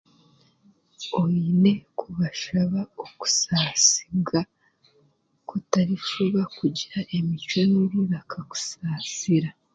Oine kubashaba okushasigwa ku otarishuba kugira emicwe mibi bakakusaasira.